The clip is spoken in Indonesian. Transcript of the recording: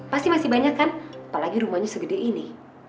pasti masih banyak kan apalagi rumahnya segede ini